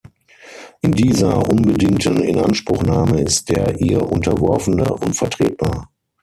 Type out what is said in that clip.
In dieser unbedingten Inanspruchnahme ist der ihr Unterworfene „unvertretbar“.